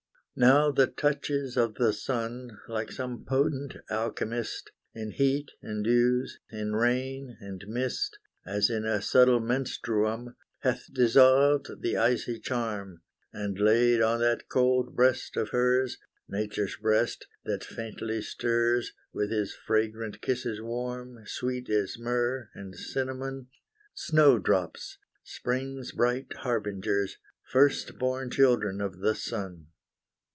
Now the touches of the sun, Like some potent alchemist, In heat and dews, in rain and mist, As in a subtle menstruum, Hath dissolved the icy charm, And laid on that cold breast of hers, Nature's breast that faintly stirs, With his fragrant kisses warm, Sweet as myrrh and cinnamon, Snow drops, spring's bright harbingers, First born children of the sun.